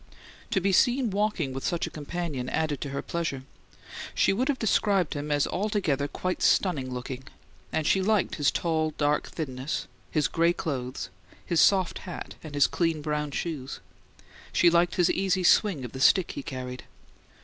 To be seen walking with such a companion added to her pleasure. She would have described him as "altogether quite stunning looking"; and she liked his tall, dark thinness, his gray clothes, his soft hat, and his clean brown shoes; she liked his easy swing of the stick he carried.